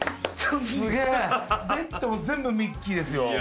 ベッドも全部ミッキーですよ。